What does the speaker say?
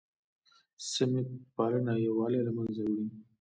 سمت پالنه یووالی له منځه وړي